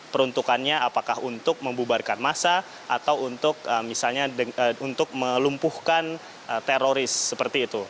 peruntukannya apakah untuk membubarkan massa atau untuk misalnya untuk melumpuhkan teroris seperti itu